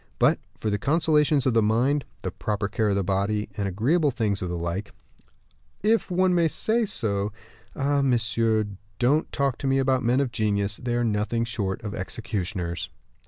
But for the consolations of the mind, the proper care of the body, the agreeable things of like, if one may say so ah! monsieur, don't talk to me about men of genius; they are nothing short of executioners."